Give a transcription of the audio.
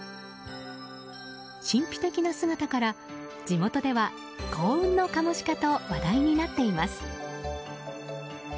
神秘的な姿から地元では、幸運のカモシカと話題になっています。